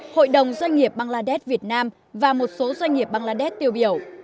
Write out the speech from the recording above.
hội đồng doanh nghiệp bangladesh việt nam và một số doanh nghiệp bangladesh tiêu biểu